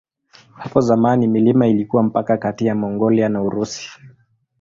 Hapo zamani milima ilikuwa mpaka kati ya Mongolia na Urusi.